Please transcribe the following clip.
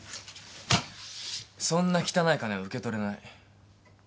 そんな汚い金受け取れない。